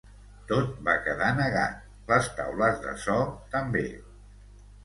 Tot va quedar negat, les taules de so també.